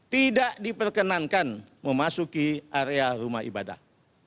tidak diperkenankan memasuki area rumah ibadah